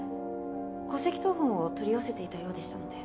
戸籍謄本を取り寄せていたようでしたので。